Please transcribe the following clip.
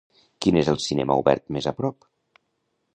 quin és el cinema obert més a prop